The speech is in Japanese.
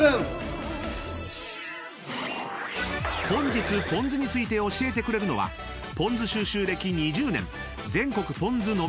［本日ぽん酢について教えてくれるのはぽん酢収集歴２０年］